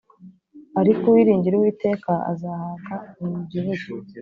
ariko uwiringira uwiteka azahaga bimubyibushye